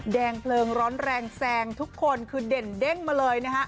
แดงเพลิงร้อนแรงแซงทุกคนคือเด่นเด้งมาเลยนะฮะ